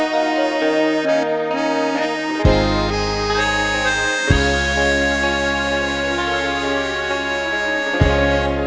เพลงที่๑มูลค่า๕๐๐๐บาท